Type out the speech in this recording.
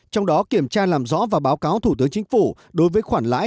trong đó kiểm tra làm rõ và báo cáo thủ tướng chính phủ đối với khoản lãi